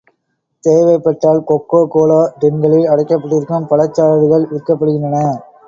தேவைப்பட்டால் coca cola, டின்களில் அடைக்கப்பட்டிருக்கும் பழச் சாறுகள் விற்கப்படுகின்றன.